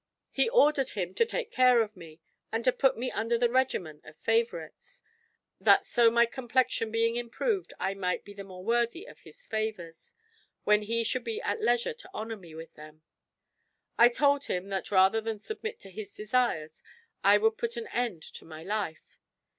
He ordered him to take care of me, and to put me under the regimen of favorites, that so my complexion being improved, I might be the more worthy of his favors when he should be at leisure to honor me with them, I told him that rather than submit to his desires I would put an end to my life.